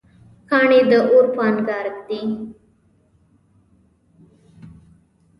کاڼی د اور په انګار ږدي.